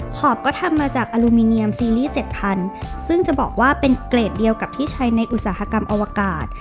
อบก็ทำมาจากอลูมิเนียมซีรีส์เจ็ดพันซึ่งจะบอกว่าเป็นเกรดเดียวกับที่ใช้ในอุตสาหกรรมอวกาศ